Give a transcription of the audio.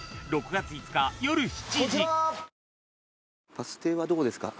バス停はどこですか？